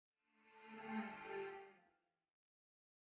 eh gimana tuh mas